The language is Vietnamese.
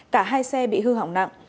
cả hai xe bị hư hỏng nặng